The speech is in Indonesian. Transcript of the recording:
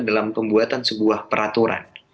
dalam pembuatan sebuah peraturan